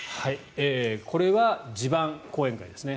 これは地盤、後援会ですね